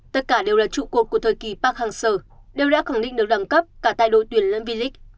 tất cả đều là trụ cột của thời kỳ park hang seo đều đã khẳng định được đẳng cấp cả tại đội tuyển lâm vy lịch